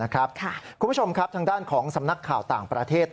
คุณผู้ชมครับทางด้านของสำนักข่าวต่างประเทศ